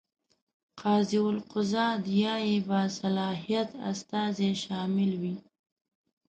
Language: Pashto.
قاضي القضات یا یې باصلاحیت استازی شامل وي.